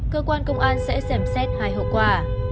cơ quan công an sẽ xem xét hai hậu quả